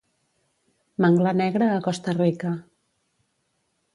Manglar negre a Costa Rica